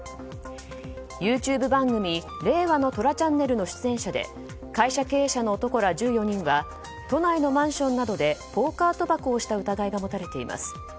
ＹｏｕＴｕｂｅ番組「令和の虎ＣＨＡＮＮＥＬ」の出演者で会社経営者の男ら１４人は都内のマンションなどでポーカー賭博をした疑いが持たれています。